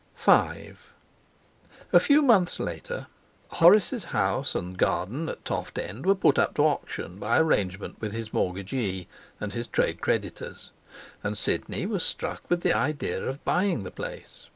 V A few months later Horace's house and garden at Toft End were put up to auction by arrangement with his mortgagee and his trade creditors. And Sidney was struck with the idea of buying the place.